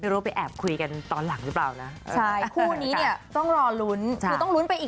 เพราะว่าทำงานด้วยกันหลายครั้งแล้วใช่